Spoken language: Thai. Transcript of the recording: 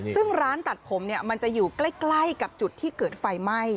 ซึ่งร้านตัดผมมันจะอยู่ใกล้กับจุดที่เกิดไฟไหม้